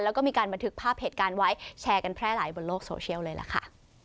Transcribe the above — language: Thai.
แล้วก็มีการบันทึกภาพเหตุการณ์ไว้แชร์กันแพร่หลายบนโลกโซเชียลเลยล่ะค่ะ